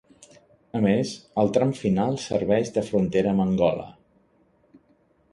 A més, al tram final serveix de frontera amb Angola.